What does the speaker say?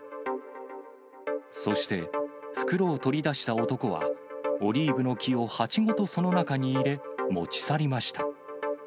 そして袋を取り出した男は、オリーブの木を鉢ごとその中に入れ、持ち去りました。